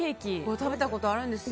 食べたことあるんですよ。